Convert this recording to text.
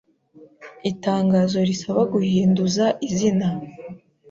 Itangazo risaba guhinduza izina